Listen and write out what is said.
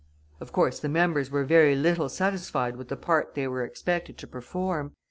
Of course, the members were very little satisfied with the part they were expected to perform.